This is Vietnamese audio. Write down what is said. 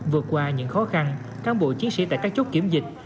vượt qua những khó khăn cán bộ chiến sĩ tại các chốt kiểm dịch